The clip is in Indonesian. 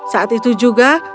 saat itu juga